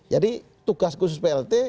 jadi tugas khusus plt